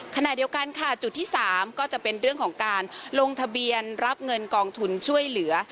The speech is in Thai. ขณะเดียวกันค่ะจุดที่๓ก็จะเป็นเรื่องของการลงทะเบียนรับเงินกองทุนช่วยเหลือ